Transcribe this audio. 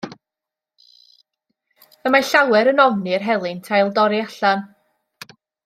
Y mae llawer yn ofni i'r helynt ail dorri allan.